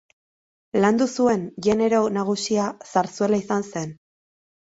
Landu zuen genero nagusia zarzuela izan zen.